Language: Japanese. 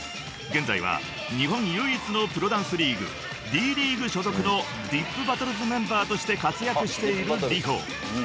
［現在は日本唯一のプロダンスリーグＤ．ＬＥＡＧＵＥ所属のｄｉｐＢＡＴＴＬＥＳメンバーとして活躍しているＲｉｈｏ］